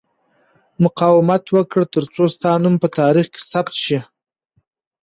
مقاومت وکړه ترڅو ستا نوم په تاریخ کې ثبت شي.